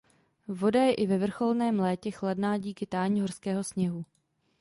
Voda je i ve vrcholném létě chladná díky tání horského sněhu.